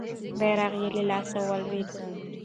بیرغ یې له لاسه لوېدلی وو.